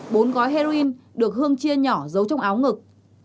bốn gói heroin được hương chia nhỏ giấu trong áo ngực